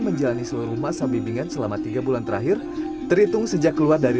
menjalani seluruh masa bimbingan selama tiga bulan terakhir terhitung sejak keluar dari